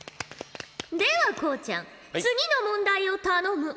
ではこうちゃん次の問題を頼む。